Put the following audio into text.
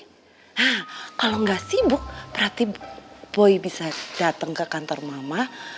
nah kalau nggak sibuk berarti boy bisa datang ke kantor mama